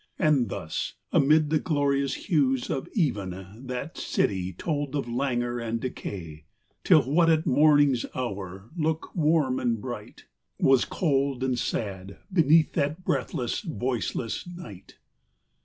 And thus, amid the glorious hues of even That city told of languor and decay : Till what at morning's hour lookt warm and bright Was cold and sad beneath that breathless, voiceless night, 7 Alaric at Rome.